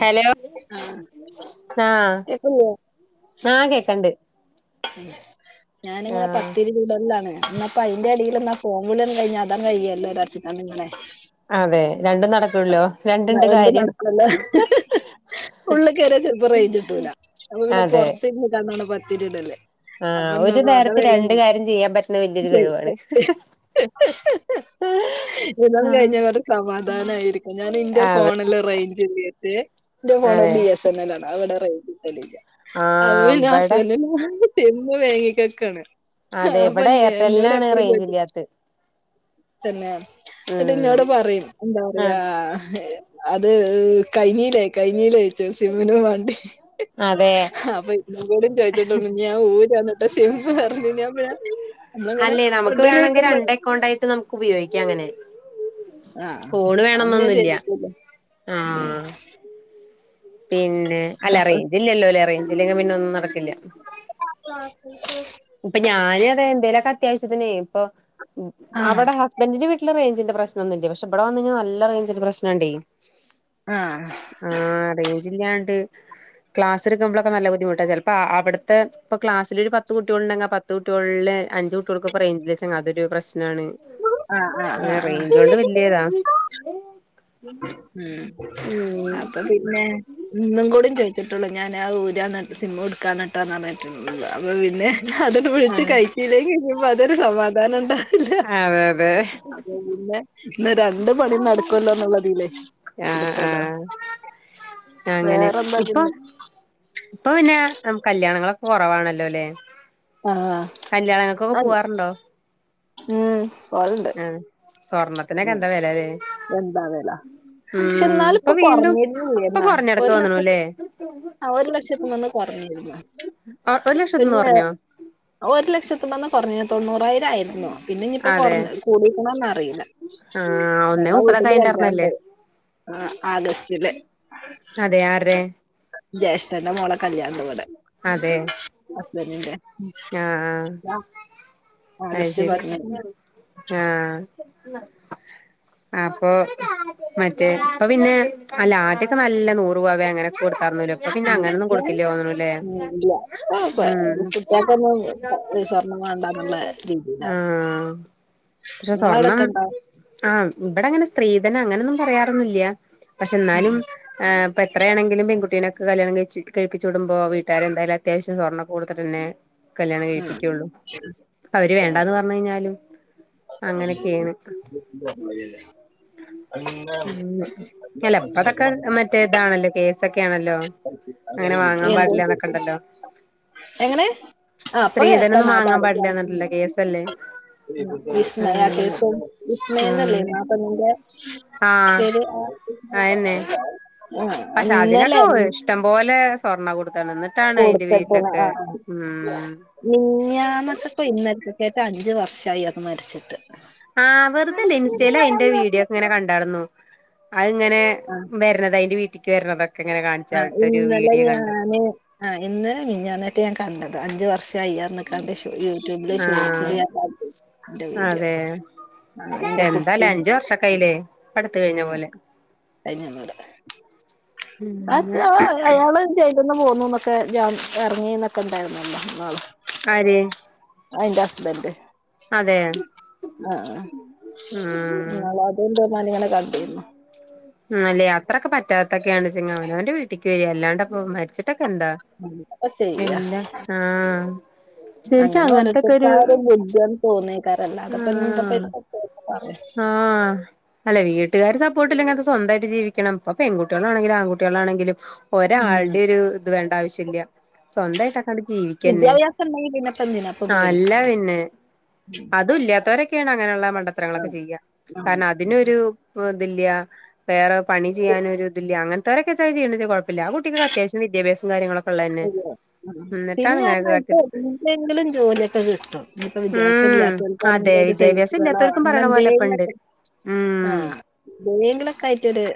Hello ആഹ കേക്കുന്നില്ലേ ആ കേക്കണ്ട് ഞാനിങ്ങനെ ആഹ് പത്തിരി ചുടലിലാണ് ഇപ്പ അയിന്റ എടയിൽ നാ ഫോം വിളി ഒന്ന് കഴിഞ്ഞ തയ്യ എല്ലരച്ചും തന്നങ്ങെ അതെ രണ്ടും നടക്കുല്ലോ ന രണ്ടുണ്ട് എന്ത് കാര്യം നടക്കുംല്ലേ ഉള്ളി കയറിയാ ചെലപ്പ റേഞ്ച്കീട്ടൂല അപ്പൊ പിന്നെ പൊറത്ത് ഇരുന്നിട്ടാണ് പത്തിരി ചുടല് ആ ഒരു നേരത്ത്‌ രണ്ട് കാര്യം ചെയ്യാൻ പറ്റുന്ന വല്ല്യൊരു കഴിവാണ് ഏഏ ഇന്നത് ആഹ് കഴിഞ്ഞാൽ കുറെ സമാധാന ആയിരിക്കും ഞാൻ എന്റെ അതെ ഫോണില് റേഞ്ച് കേട്ട് എന്റെ ഫോൺ അതെ ബി എസ് എൻ എൽ ആണ് അവിടെ റേഞ്ച് അ ആഹ് ഇവിടെ ഹസ്ബൻഡ ചെമ്പ് വേങ്ങിക്കക്കാണ് [unintelligible] അതെ ഇവിടെ എയർടെല്ലിനാണ് റേഞ്ച് ഇല്ലാത്ത് തെന്നെ ഉം ന്ന്ട്ട്ന്നോട് പറയും എന്താ പറയാ ആഹ് അത് കയ്ഞ്ഞീലെ കയ്ഞ്ഞീലെ [unintelligible] അതെ അപ്പൊ ന്നും കൂടി ചോയ്ച്ച്ട്ടൊള്ളൂ [unintelligible] അല്ലെ നമുക്ക് വേണെങ്കി രണ്ട് എക്കൗണ്ടായിട്ട് നമുക്ക് ഉപയോഗിക്കാങ്ങനെ ആ ഫോണ് അന്ന് വേണന്നൊന്നുല്ല്യ [inaudible] പിന്നെ അല്ല അപ്പൊ റേഞ്ചില്ലല്ലോ ല്ലെ റേഞ്ചില്ലങ്കി പിന്നൊന്നും നടക്കില്ല ആ ഇപ്പൊ ഞാനും അതെ എന്തേലൊക്കെ അത്യാവശ്യത്തിനേ ഇപ്പൊ ആ അവടെ ഹസ്ബന്റ്ന്റിന്റെ വീ ട്ട് ല് റെയ്ഞ്ചിന്റെ പ്രശ്നൊന്നുല്ല പക്ഷെ ഇവടെ വന്ന് ങ് നല്ല റെയ്ഞ്ചിന്റെ പ്രശ്നണ്ടെ ആ റേഞ്ച്ല്ലാണ്ട് ക്ലാസ്ട്ക്ക്മ്ബ്ലോ ഇപ്പ നല്ല ബുദ്ധിമുട്ടാ ചെലപ്പോ അവ്ട്ത്തെ ഇപ്പ ക്ലാസ്സിലൊരു പത്ത് ത്ത് കുട്ട്യോള്ണ്ടെങ്കില് പത്ത് കുട്ട്യോൾല് അഞ്ച് കുട്ട്യോൾക്ക് പ്പൊ റെയ്ഞ്ച് [unintelligible] അതൊരു പ്രശ് ആ ആ ആ ആ ണ്റന്തൊണ്ട് വല്യതാ ഉ ഉം അപ്പൊ പിന്നെ ഇന്നും കൂടി ചോദിച്ചിട്ടുള്ളൂ ഞാൻ ആ ഊരാണ് സിമ എടുക്കാണ്ട്ടാന്ന് പറഞ്ഞട്ടുള്ളത് അപ്പൊ പിന്നെ അതു വിളിച്ച് കഴിച്ചില്ലങ്കി അതൊരു സമാധാനം ഉണ്ടാവില്ല ആഹ് അതെ അതെ അത് പിന്നെ ഇന്ന് രണ്ട് പണി നടക്കുമല്ലോന്നുള്ളതില്ല ആഹ ആഹ അങ്ങനെ വേറെന്താ ഇപ്പാ പിന്നെ ഇപ്പൊ പിന്നെ കല്യാണങ്ങളൊക്കെ കുറവാണല്ലോ അല്ലേ ആഹ് കല്യാണങ്ങൾക്കൊക്കെ അതെ പൂവാറുണ്ടോ ഉം പോവലുണ്ട് ആ സ്വർണ്ണത്തിനൊക്കെ ഉം എന്താ വിലല്ലേ എന്താ വില പക്ഷെ ഉം ഇപ്പൊ എന്നാലിപ്പോ വീണ്ടും കുറഞ്ഞിരുന്നു ഇപ്പൊ എന്നാ കുറഞ്ഞടക്ക് ഒരു ലക്ഷത്ത് തോന്നണല്ലേ ആ ഒരു ലക്ഷത്തി നിന്ന് കുറഞ്ഞിരുന്നു ഒരു ലക്ഷത്തിന്ന് പിന്നെ കുറഞ്ഞോ ഒരു ലക്ഷത്തീന്ന് കൊറഞ്ഞ് തൊണ്ണൂറായിരം ആയിരുന്നു പിന്നെ ഇനിപ്പോ കുറഞ്ഞ് കൂടിക്കണോന്ന് ആ ആ ഞങ്ങളെ വീട്ടില് കല്യാണ്ട് ആ ആഗസ്റ്റില് അതെ ആരുടെ ജ്യേഷ്ഠന്റെ മോളെ കല്യാണം ഇവടെ ഹസ്ബന്റിന്റെ ആ ആ അത് ആഗസ്റ്റ് ശെരി പതിനേഴിന് ആ അപ്പൊ മറ്റേ അപ്പൊ പിന്നെ അല്ല ആദ്യൊക്കെ നല്ല നൂറു പവൻ അങ്ങനൊക്കെ കൊടുത്താർന്നൂല്ലോ അപ്പ പിന്നെ അങ്ങനൊന്നും ഉം കൊടുക്കില്ല തോന്നുന്നു അല്ലേ ഉം ഇല്ല ഇപ്പൊ ഉം കുട്ടികൾക്കൊന്നും ആ സ്വർണം വേണ്ടാന്നുള്ള രീതിയിലാണ് പക്ഷെ സ്വർണം നിങ്ങളവിടൊക്കെ ഉണ്ടോ ആ ഇവിടെങ്ങനെ സ്ത്രീധന അങ്ങനൊന്നും പറയാറൊന്നില്യ പക്ഷെ ഉം ന്നാലും ഏഹ് ഇപ്പ എത്രയാണെങ്കിലും പെൺകുട്ടിനെക്കെ കല്യാണം കഴിച് കഴിപ്പിച്ചുവിടുമ്പോ വീട്ടാരെന്തായാലും അത്യാവശ്യം സ്വർണ്ണം ഒക്കെ കൊടുത്തിട്ടന്നെ കല്യാണം ഉം കഴിപ്പിക്കുള്ളൂ. അവര് വേണ്ടാന്ന് പറഞ്ഞു കഴിഞ്ഞാലും അങ്ങനെയൊക്കെയാണ് [unintelligible] ഉം ചിലപ്പതൊക്കെ മറ്റേതാണല്ലോ കേ പാടില്ലാന്നൊക്കെ [unintelligible] ഉണ്ടല്ലോ എങ്ങനെ [unintelligible] സ്ത്രീധനൊന്നും വാങ്ങാൻ പാടില്ലാന്നുണ്ടല്ലോ കേസല്ലേ വിസ്മയ അങ്ങനെ കേസോ വിസ്മയന്നല്ലേ ആഹ് ആ പെണ്ണിന്റെ പേര് അതന്നെ ആ ന്നെ ഓ ഇഷ്ടം പോലെ സ്വർണം കൊടുത്താണ് എന്നിട്ടാണ് അയിന്റെ പേരിലൊക്കെ ഉം മെനെഞ്ഞാന്നൊക്കെ കൊ ഇനലത്തേക്ക് അഞ്ച് വർഷമായി അത് മരിച്ചിട്ട് ആ വെറുതെയല്ല ഇൻസ്റ്റയിലൊക്കെ അയിന്റെ വീഡിയോ ഒക്കെ അങ്ങനെ ക ണ്ടാർന്നു അത്ങ്ങനെ ആ വരണത് അതിന്റെ വീട്ടിക്ക് വരണത് ആ ഇന്നലെ ഞാന് ആ ഇന്ന് മിനഞ്ഞാന്ന് ഞാൻ കണ്ടത് അഞ്ചു വർഷ [unintelligible] കണ്ട ഷോയ് യൂറ്റുബില് ആഹ് ഷോട്സില് ഞാൻ കണ്ടു എന്റെ വീഡിയോ അതെ ആ അയിന്റെ എന്താലേ കുട്ടിം അഞ്ചു വർഷോക്കെയായില്ലേ പ്പൊ എടുത്ത് കയിഞ്ഞ പോലെ അതിനൊന്നൂല അത് അങ്ങനെ അയാള് ജ ഇന്ന് പോന്നുന്നുന്നൊക്കെ ജാ ഇറങ്ങിന്നൊക്കെ ഉണ്ടായിരുന്നല്ലോ നാള് ആര് അതിന്റെ ഹസ്ബൻഡ് അതെ ആ ആ അതെന്താന്ന ആ അല്ലേ അത്രൊക്കെ പറ്റ് പറ്റാത്തൊക്കെയാണ് ച അവാനോന്റെ വീട്ടിക്ക് കേറി അല്ലാണ്ട് ഇപ്പോ മരിച്ച ഇട്ടൊക്കെ എന്താ എന്താ ചെയ്യാ എല്ലാ ആ അങ്ങനെ ഓരോരുത്തർക്കാരും ബുദ്ധിയെന്ന് തോന്നിയക്കാരല്ല അല്ലാതപ്പൊ ന്തെപ്പ പറ ആ അല്ല വീട്ടുകാര് സപ്പോർട്ടില്ലെങ്കി അത് സ്വന്തായിട്ട് ജീവിക്കണം ഇപ്പൊ പെൺകുട്ടികളാണെങ്കിലും ആൺകുട്ടികളാണെങ്കിലും ഉം ഒരാളുടെ ഒരു ഇത് വേണ്ട ആവശ്യ മില്ല സ്വന്തായിട്ട് അവിടെ ജീവിക്കന്നെ വിദ്യാഭ്യാസം ഉണ്ടെങ്കി പിന്നെപ്പ എന്തിനാപ്പ അല്ല പേടിക്കുന്നെ പിന്നെ അതും ഇല്ലാത്തവരൊക്കെയാണ് അങ്ങനെയുള്ള മണ്ടത്തര ങ്ങളൊക്കെ ചെയ്യുക കാരണം അതിനൊരു ഇതില്യ വേറെ ഒരു പണി ചെയ്യാനുമൊരിതില്യ അങ്ങന ഇല്ലാത്ത വരൊക്കെ ചെയ്യണ കുഴപ്പില്ല ആ കുട്ടിക്ക് അത്യാവശ്യം വിദ്യാഭ്യാസവും കാര്യങ്ങളും അ പിന്നെ അമ്മ ഇപ്പൊ കാട്ടിയത് എന്തെയെങ്കിലും ജോലിയൊക്കെ കിട്ടും ഇപ്പോ വിദ്യാഭ്യ ഉം അതെ വിദ്യാഭ്യാസം ഇല്ലാത്തവർക്കും പറയണ പോലെ ഇപ്പണ്ട് [unintelligible] ആ ഉം ബേങ്കലൊക്കെ ആയിട്ടൊര്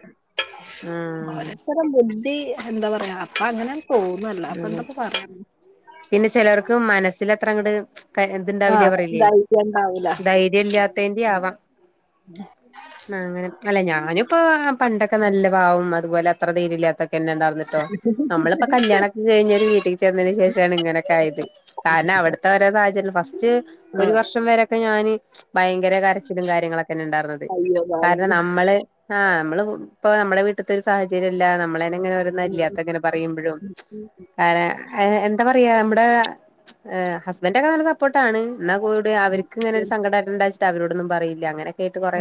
ആഹ് ഓരോത്തര ബുദ്ധി എന്താ പറയാ അപ്പൊ അങ്ങനെ തോന്നുന്നു. അപ്പൊ അതെ എന്താപ്പ പറയാന്നു പിന്നെ ചെലവർക്ക് മനസ്സിൽ അത്ര അങ്ങട് ആ ഇതുണ്ടാവില്ലേ പറയിലേ ഇതായിണ്ടാവൂല ധൈര്യം ഇല്ലാത്തേന്റെ ആവാം അങ്ങനെ അല്ല ഞാനും ഇപ്പോ പണ്ടൊക്കെ നല്ല പാവം അതുപോലെ അത്ര ധൈര്യാല്ലത്ത ണ്ടയിരുന്നിട്ടോ നമ്മളിപ്പോ കല്യാണോക്കെ കഴിഞ്ഞ് ഒരു വീട്ടിൽ ചേന്നതിന് ശേ ഷാണ് ഇങ്ങനെയൊക്കെ ആയത് കാരണം അവിടുത്തെ ഓരോ സാഹചര്യ ഫസ്റ്റ് ആ ഒരു വർഷം വരെക്കെ ഞാന് ഭയങ്കര കരച്ചിലും കാര്യങ്ങളൊക്കെ തന്നെ ഉണ്ടാർന്നത് അയ്യോ പാവം കാരണം നമ്മള് ആഹ് നമ്മൾ ഇപ്പൊ നമ്മുടെ വീട്ടത്തൊരു സാഹചര്യല്ല നമ്മളെ അങ്ങനെ ഓരോന്ന് ഉം. അരിയത്ത ഇങ്ങനെ പറയുമ്പോഴും അര [unintelligible] എന്താ പറയാ നമ്മുടെ ഹസ്ബൻഡ് ഒക്കെ നല്ല സപ്പോർട്ടാണ് എന്നാൽ കൂടി അവർക്ക് ഇങ്ങനെ ഒരു സങ്കടം ഉണ്ടാചിട്ട് അവരോടൊന്നും പറയില്ല അങ്ങനെ കേട്ട് കൊറെ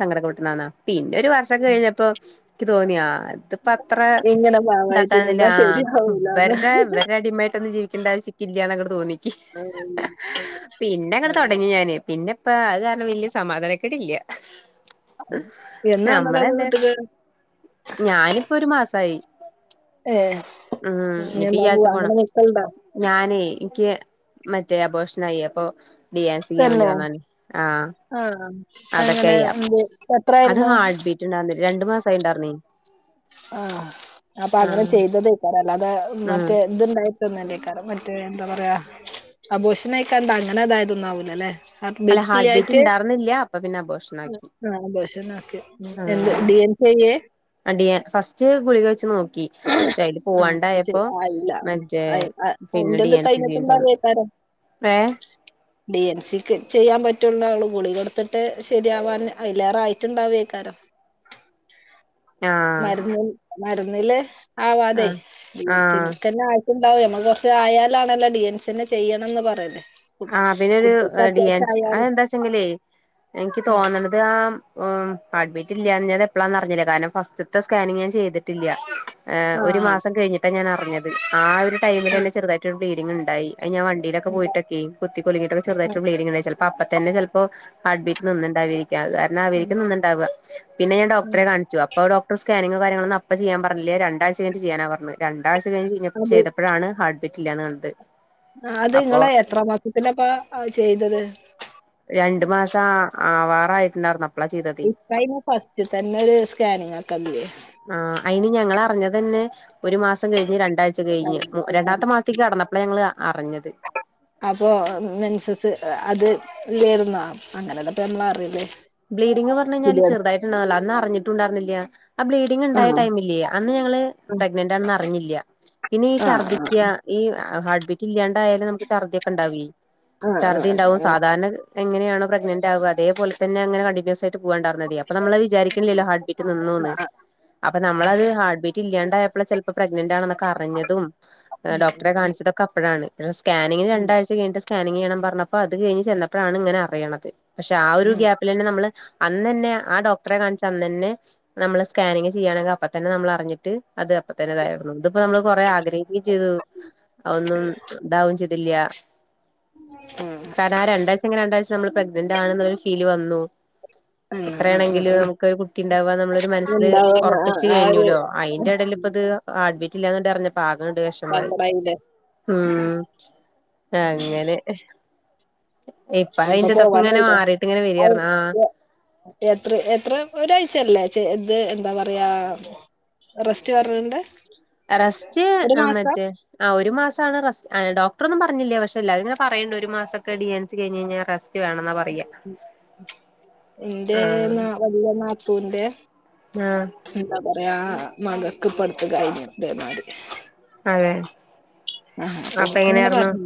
സങ്കട ക്കെ പെട്ടന്നന്നാ പിന്നെ ഒരു വർഷം കഴിഞ്ഞപ്പോ എനിക്ക് തോന്നി ആഹ് അത് പ്പത്ര ഇങ്ങനെ പാവായിട്ട് ഇതാക്കന്നില്ല നിന്നാ ആഹ് ശരിയാവൂലാന്ന് ഇവർടെ ഇവരെ അടിമയി ജീവിക്കേണ്ട ആവശ്യക്കില്ല എന്നങ്ങോട് തോന്നി പിന്നെ അങ്ങട്ട് തുടങ്ങി ഞാന് പിന്നെപ്പ അത് കാരണം വല്യ സമാധാനക്കെട് ഇല്ല എന്നാ വന്നതാ ഞമ്മളെന്താ വീട്ടില് ഞാനിപ്പൊ ഒരു മാസായി ഏ ഉം ഇനി ഇപ്പ ഈ എന്നാ ആഴ്ച പോവാ അങ്ങനെ പോണം നിക്കലുണ്ടോ ഞാനേ എനിക്ക് മറ്റേ അബോർഷൻ ആയി അപ്പൊ ഡിയാ സിയ്ൻ ചെയ്യാൻ വേണ്ടി തന്നെ വന്നതാണ് ആഹ് ആ അതൊക്കെ അങ്ങനെ അയ എന്ത് അത് എത്രായിരുന്നു ഹാർട്ട് ബീറ്റ് ഉണ്ടായിരിന്നില്ലരണ്ടു മാസയിണ്ടാർന്ന് ആഹ് അപ്പൊ അങ്ങനെ ആഹ് ചെയ്തതാക്കാറെ അല്ലാതെ ഉം മറ്റേ എതുണ്ടായി ക്കാ മറ്റേ എന്താ പറയാ അബോഷിനക്കാണ്ട അങ്ങനെ അതായതൊന്നാവൂല അല്ലെ അല്ല ഹാർട്ട് ബീറ്റ് ഹർബിറ്റിലയിട്ട് ഉണ്ടായിരുന്നില്ല അപ്പൊ പിന്നെ അബോഷനാക്കി ആഹ് അബോശനാക്ക് എന്ത് ആഹ് ഡി ചെയ് അടിയ ഫസ്റ്റ് ഗുളിക വെച്ച് നോ ക്കി പക്ഷെ അതില് ഐ പോവാണ്ടായപ്പോ ആയില്ല ഉം. മറ്റേ ആയി. അ- പിന്നെ അതിന്റെത് ഡിയൻസി ചെയ്യേണ്ടി വന്നു കഴിഞ്ഞിട്ടുണ്ടാവേക്കാരം ഏഹ് ഡി എൻ സിക്ക് ചെയ്യാൻ പ റ്റുണ്ടള്ളു ഗുളികൊടുത്തിട്ട് ശരിയാവാൻ അയിലേറെ ആയിട്ടുണ്ടാവേക്കാരം ആഹ് മരുന്ന് മരുന്നില് ആവാതെ ആഹ് ഡിയൻസി ആഹ് ക്കെ ആയി ഉണ്ടാവും നമ്മൾ കൊർച്ച് ആയാലാണല്ലോ ഡിഎൻസിനെ ചെയ്യണന്ന് പറയാണെ ആഹ് പിന്നൊരു ഡിയൻസി അതെന്താച്ചെങ്കിലേ എനിക്ക് ആ തോന്നണത് ആഹ് ഉം ഹാർട്ട്‌ ബീറ്റ് ഇല്ലന്നാത് എപ്പഴാന്ന് അ റിഞ്ഞില്ല കാരണം ഫസ്റ്റത്തെ സ്കാനിംഗ് ഞാൻ ചെയ്തിട്ടില്ല. ഏഹ് ആ, ഒരു മാസം കഴിഞ്ഞിട്ടാ ഞാൻ അ റിഞ്ഞത് ആ ഒരു ടൈമിലന്നെ ഞ്ഞത്. ആ ഒരു ടൈമിലെന്നെ ചെറുതായിട്ട് ഒരു ബ്ലീഡിങ് ഇ ണ്ടായി. അയ് ഞാൻ വണ്ടിയിലൊക്കെ പോയി ഉണ്ടാവും. ട്ട് കുത്തി കുലിങ്ങിയിട്ട് ഒക്കെ ആ, ചെറുതയിട്ട് ബ്ലീഡിങ് ഉണ്ടായി ചിലപ്പോ അപ്പ തന്നെ ചെൽപ്പോ ഹാർട്ട് ബീറ്റ് നിന്നുണ്ടവി അത് കാരണം ആ, ആവിരിക്കും നിന്നുണ്ടാവ പിന്നെ ഞാൻ ആ. ഡോക്ടറെ കാണിച്ചു അപ്പൊ ഡോ ക്ടർ സ്കാനിങ്ങും കാര്യങ്ങളൊന്നും അപ്പ ചെയ്യാൻ പറഞ്ഞില്ല രണ്ടാഴ്ച്ച കഴിഞ്ഞിട്ട് ചെയ്യാനാ പറഞ്ഞത് രണ്ടാഴ്ച്ച കഴിഞ്ഞ് അത് ചെയ്തപ്പഴാണ് ഹർട്ട് ബി ബിറ്റില്ലാന്ന് കണ്ടത് അത് അപ്പൊ നിങ്ങൾ എത്ര മാസത്തിലാപ്പ ചെയ്തത് രണ്ടു മാസം ആവാർ ആയിട്ടുണ്ടായിരുന്ന് അ ഇപ്പ അയിന് ഫസ്റ്റ് തന്നെ ഒരു സ്കാനിങ് ആക്കല്ലേ ആഹ് അയിന് ഞങ്ങൾ അറിഞ്ഞതന്നെ ഒരു മാസം കഴിഞ്ഞ് രണ്ടാഴ്ച കയിഞ്ഞ് രണ്ടാമത്തെ മാത്തേക്ക് കടന്നപ്പള ഞങ്ങൾ അറിഞ്ഞത്. അപ്പൊ മെൻസസ് അത് ഇല്ലാര്ന്നോ അങ്ങനെതപ്പ നമ്മൾ അറിയല് ബ്ലീഡിങ് പറഞ്ഞ കഴിഞ്ഞാല് ചെറതായിട്ടുണ്ടായിനുള്ളു അറിഞ്ഞിട്ടുണ്ടായിന്നില്ല ആ ബ്ലീഡിങ് ആ ഉണ്ടായ ടൈമില്ലേ അന്ന് ഞ ഞങ്ങൾ ആ പ്രഗ്നന്റ് ആണെന്ന് അറിഞ്ഞില്ല പിന്നെ ഈ ആ ഛർദിക്ക ഈ ഹാർട്ട് ബീറ്റ് ഇല്ലാണ്ടായാലും നമുക്ക് ഛർദ്ദിയൊക്കെ ഇണ്ടാവില്ലേ ആ ഛർദി ഉണ്ടാവും സാധാരണ എങ്ങനെയാണ് പ്രെഗ്നന്റ് ആവുക അതേപോലെ തന്നെ അങ്ങനെ കണ്ടിന്യൂസ് ആയി ട്ട് പോവാണ്ടാർന്നത് അപ്പ നമ്മളത് വിചാരിക്കണില്ലല്ലോ ഹാർട്ട്ബീറ്റ് നിന്നുന്ന് ആ ആ അപ്പൊ നമ്മളത് ഹാർട്ട്ബീറ്റ് ഇല്ലാ ണ്ടയപ്പോഴ ചിലപ്പോ പ്രഗ്നന്റ് ആണെന്നൊക്കെ അറിഞ്ഞതും ഡോക്ടറെ കാണിച്ചതൊക്കെ അപ്പഴാണ്. സ്കാനിങ് എന്താവന്ന് ആ രണ്ടഴ്ച കഴിഞ്ഞിട്ട് സ്കാനിങ് ചെയ്യണം പറഞ്ഞപ്പോ അത് കഴിഞ്ഞ് ചെന്നപ്പോഴാണ് ഇങ്ങനെ അറിയത് പക്ഷെ ഒരു ഗ ഉം, നമ്മള് അന്നന്നെ ആ ഡോക്ടറെ കാണിച്ച് അന്നന്നെ നമ്മള് സ്കാനിങ് ചെയ്യുകയാണെങ്കിൽ അപ്പ തന്നെ നമ്മൾ അറിഞ്ഞിട്ട് അത് അപ്പ തന്നെ ഇതായിരുന്നു അപ്പൊ നമ്മള് കൊറെ ആഗ്രഹിക്കയും ചെയ്തു ഒന്നും ഇണ്ടാവും ചെയ്തില്ല ഉം, ഉം, കാരണം ആ രണ്ടാഴ്ച ങ്കി രണ്ടാഴ്ച നമ്മൾ പ്രഗ്നന്റ് ആണ്ന്നുള്ളരു ഫീല് വന്നു. [inaudible] ഉം, എത്രയാണെങ്കിലും ഉം. നമുക്കൊരു ഒരു കുട്ടി ഉണ്ടാവാ നമ്മളൊരു മനസ്സിൽ ഉണ്ടാവുന്ന ആ ഉറപ്പിച്ച് ആ ഒരു കഴിഞ്ഞല്ലോ അയിന്റെ ഇടേൽ പ്പ ത് ആഡ് ബീറ്റില്ല എന്ന് ട്ട് അർഞ്ഞപ്പോ ആകെ ണ്ട് വെ ശമായി. സങ്കടായില്ലേ ഉം അങ്ങനെ ഇപ്പ ഇപ്പൊ അയിന്റെതൊക്കെ ഇങ്ങനെ പോവാനായില്ലേ മാറിട്ട് ഇങ്ങനെ വരാ എത്ര എത്ര ഒരാഴ്ച ചെല്ലേ ഇത് എന്താ പറയാ റെസ്റ്റ് റണ്ട് റസ്റ്റ് മറ്റേ ആ ഒരു മാസാണ് റസ് ആ ഡോക്ടറ ഒന്നും പറഞ്ഞില്ല പക്ഷ എല്ലാരും ങ്ങനെ പറേണ്ട് ഒരു മാസൊക്കെ ഡി എൻസി കഴിഞ് കഴഞ്ഞാ റസ് റ്റ് വേണെന്നാ പറയാ എന്റെ ന ആ വല്യ നാത്തൂന്റെ ആ എന്താ അ ആ മകക്ക് ഇപ്പടുത്ത് കഴിഞ്ഞു ഇതേ മാരി അതെ ആഹ അപ്പൊ ഓക്ക് അങ്ങനെ പർ ഞ്ഞു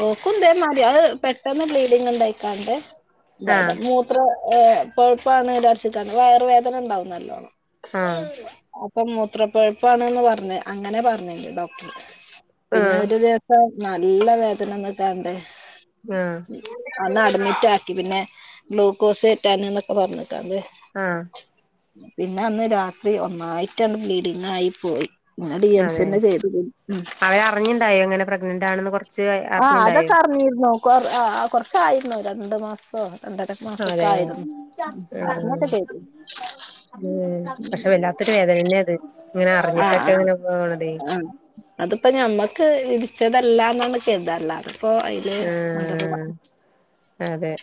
ഓ ക്കും ന്തേമാരി അത് പെട്ടെന്ന് ബ്ലീഡിങ് ഇണ്ടായിക്കാണ്ടേ ആ അതായത് മൂത്ര പഴുപ്പാണ് വിചാർച്ച് ക്കാണ്ട് വയറുവേദന ഇണ്ടാവും നല്ലോണം ആഹ ഇപ്പൊ മൂത്രപ്പഴുപ്പണന്ന് പറഞ്ഞഞ് അങ്ങനെ പറഞ്ഞില്ലോ ആ പിന്നെ ഒരു ദിവസം നല്ല വേതനന്നൊക്കണ്ടേ ആ അന്ന് അഡ്മിറ്റ് ആക്കി പിന്നെ ഗ്ലൂക്കോസ് റ്റൻ എന്നൊക്കെ പറഞ്ഞിട്ടാണ്ട് ആ പിന്നെ അന്ന് രാത്രി ഒന്നായിട്ടാണ് ബ്ലീഡിങ് ആയി പോയി ഡി എൻസിെ ചെയ്തു ഉം അവര അറിഞ്ഞുണ്ടായോ അങ്ങനെ പ്രഗ്നന്റ് ആണെന്ന് കുറ ആഹ അതൊക്കെ അറിഞ്ഞിരുന്നു കൊ ആ കൊറച്ചായിരുന്നു രണ്ടു മാസം രണ്ടര മാസൊക്കെ അതെയോ ആയിരുന്നു ആഹ് അറന്നൊക്കെ ചെയ് ഉം പക്ഷെ വല്ലാത്തൊരു വേദന തന്നെ അത് ഇങ്ങനെ ആഹ അറിഞ്ഞിട്ടൊക്കെ ആ ഇങ്ങനെ പോണതേ ആ അതിപ്പോ ഞമ്മക്ക് ഇ ചതല്ലാ നമുക്ക് എതാല്ല ഇപ്പൊ അതില് എന്താ ആഹ് അതെ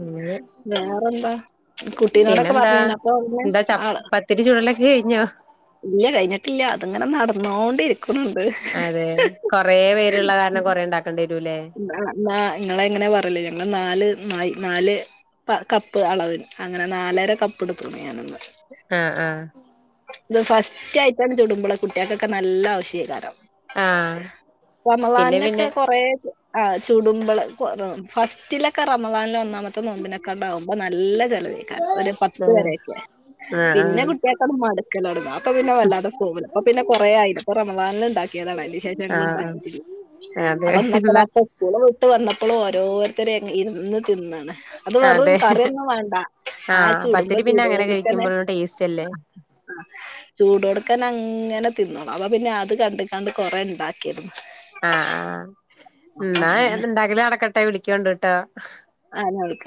മ വേറെന്താ കുട്ടീനോടൊക്കെ പറഞ്ഞു കഞ്ഞ അപ്പൊ അന്നെ എന്താ ച ആള് പത്തിരി ചുടലൊക്കെ കഴിഞ്ഞോ ഇല്ല കഴിഞ്ഞിട്ടില്ല അത്ങ്ങനെ നടന്നോണ്ടിരിക്കും അതെ കൊറെേ പേരുള്ള കാരണം കൊറെ ഉണ്ടാക്കേണ്ടിും നിങ്ങള എങ്ങനെ പറലേ ഞങ്ങള് നാല് ന നാല് കപ്പ് അളവിന് അങ്ങനെ നാലര കപ്പ് എടുക്കണം ഞാനൊന്ന് ആഹ ആഹ ഇത് ഫസ്റ്റ് ആയിട്ടാണ് ചുടുമ്പോള കുട്ടികൾക്കൊക്കെ നല്ല ആവ ശ്യകാരം ആഹ് റമളാൻ പിന്നെ ഒക്കെ പിന്നെ കൊറേ ആ ചുടുമ്പള ഫസ്റ്റിലൊക്കെ റമദാനില വന്നാ മൊത്ത നോമ്പിനെക്കാണ്ടകുമ്പോ നല്ല ചിലവഴിക്ക പത്ത് ആഹ് വരൊക്കെ പിന്നെ ആഹ് കുട്ട അ മടുക്കലട അപ്പ പിന്നെ വാതെ ഫോമ അപ്പൊ പിന്നെ കുറെ ആയിരുന്നു ഇപ്പ റമദാനിലിൽ ഉണ്ടാക്കിയതാണ് അന്ശേഷങ്ങണ്ട ആഹ് ആഹ് അതെ എന്നാ അപ്പൊക്ക സ്കൂള് വിട്ട് വന്നപ്പോഴും ഓരോരുത്തര ഇന്ന് തിന്നാണ് അത് വെറും അതെ കറിയൊന്നും വേണ്ട ആ ആഹ് ചൂടുമ്പോ പത്തിരി പിന്നെ അങ്ങനെ ചൂടുടുക്കനെ കഴിക്കുമ്പോഴും ടേസ്റ്റ് അല്ലേ ചൂട് കൊടുക്കാൻ അങ്ങനെ തിന്നോണം അപ്പ പിന്നെ അത് കണ്ട കണ്ട് കുറെേ ഉണ്ടാക്കിരുന്നു ആ ആഹ് എന്നാ ഇണ്ടാക്കിലും അടക്കെട്ടെ വിളിക്കോണ്ട്ിട്ടോ ആഹ് ഞ വിളിക്ക